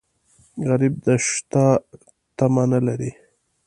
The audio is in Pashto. غریب د شتو تمه نه لري